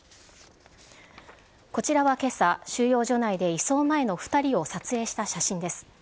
こちらはけさ、収容所内で移送前の２人を撮影した写真です。